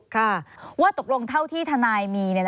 ค่ะว่าตกลงเท่าที่ทนายมี